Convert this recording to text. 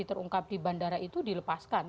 terungkap di bandara itu dilepaskan